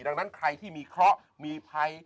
ดังนั้นใครที่มีเคราะห์มีภัย